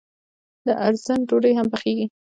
د ارزن ډوډۍ هم پخیږي.